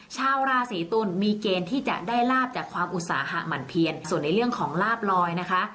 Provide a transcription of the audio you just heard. ชาวราศีตุลมีเกณฑ์ที่จะได้ลาบจากความอุตสาหะหมั่นเพียนส่วนในเรื่องของลาบลอยนะคะ